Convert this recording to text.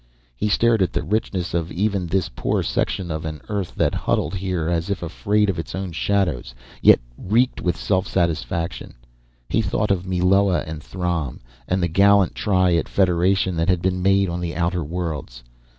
He stared at the richness of even this poor section of an Earth that huddled here as if afraid of its own shadows, yet reeked with self satisfaction. He thought of Meloa and Throm, and the gallant try at Federation that had been made on the Outer Worlds.